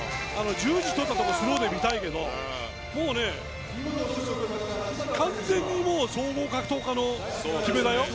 十字取ったところスローで見たいけどもう、完全に総合格闘家の決めだよ。